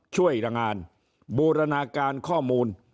ช่วยรายงานบูรณาการข้อมูล